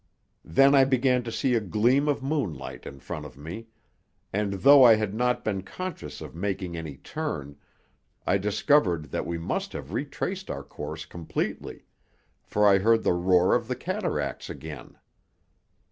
Then I began to see a gleam of moonlight in front of me, and, though I had not been conscious of making any turn, I discovered that we must have retraced our course completely, for I heard the roar of the cataracts again.